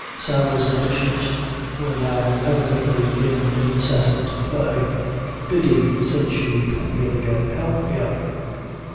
Sarah's emotions were now evidently in incessant play. "Biddy," said she, "come here again; help me up."